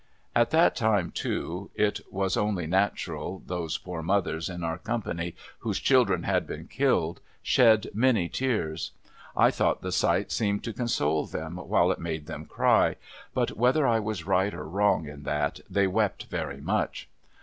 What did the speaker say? At that time, too, as was only natural, those ])oor mothers in our com[)any, whose children had been killed, shed many tears. I tliouglit the sight seemed to console them while it made them cry ; but, whether I was right or wrong in that, they wept very much.